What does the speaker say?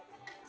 lu mau tau